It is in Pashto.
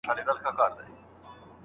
د موضوع جوړښت د استاد په مرسته ټاکل کېږي.